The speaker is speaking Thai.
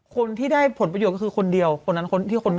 คนที่ได้ผลประโยชน์ก็คือคนเดียวคนนั้นคนที่คนนั้น